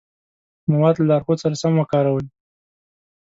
مواد له لارښود سره سم وکاروئ.